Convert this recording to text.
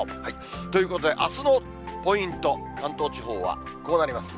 ということで、あすのポイント、関東地方はこうなります。